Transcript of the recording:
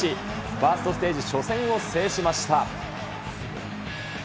ファーストステージ初戦を制しました。